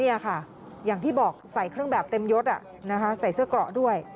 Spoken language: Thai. นี่ค่ะอย่างที่บอกใส่เครื่องแบบเต็มยดใส่เสื้อเกราะด้วย